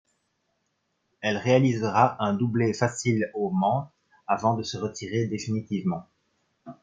Elle réalisera un doublé facile au Mans avant de se retirer définitivement.